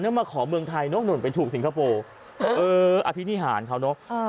แล้วมาขอเมืองไทยเนอะหนุ่นไปถูกสิงคโปร์เอออภินิหารเขาเนอะ